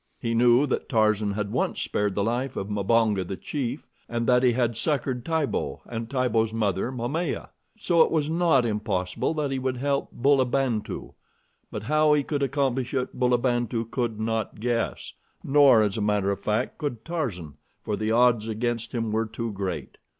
He knew that Tarzan had once spared the life of Mbonga, the chief, and that he had succored Tibo, and Tibo's mother, Momaya. So it was not impossible that he would help Bulabantu; but how he could accomplish it Bulabantu could not guess; nor as a matter of fact could Tarzan, for the odds against him were too great.